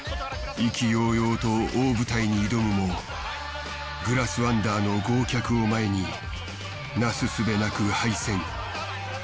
意気揚々と大舞台に挑むもグラスワンダーの豪脚を前になすすべなく敗戦。